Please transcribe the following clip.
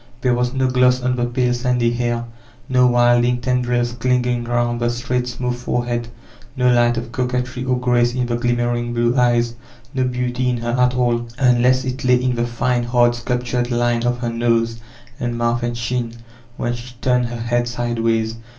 There was no gloss on the pale sandy hair, no wilding tendrils clinging round the straight smooth forehead, no light of coquetry or grace in the glimmering blue eyes, no beauty in her at all, un less it lay in the fine, hard sculptured line of her nose and mouth and chin when she turned her head sideways.